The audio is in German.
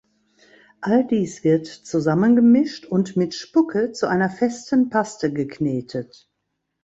All dies wird zusammengemischt und mit Spucke zu einer festen Paste geknetet.